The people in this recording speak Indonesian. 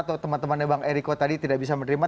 atau teman temannya bang eriko tadi tidak bisa menerima